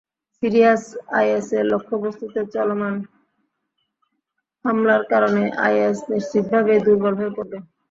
সিরিয়ায় আইএসের লক্ষ্যবস্তুতে চলমান হামলার কারণে আইএস নিশ্চিতভাবেই দুর্বল হয়ে পড়বে।